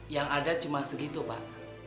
yang ada cuma segitu pak